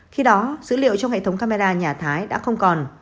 khi đó dữ liệu trong hệ thống camera nhà thái đã không còn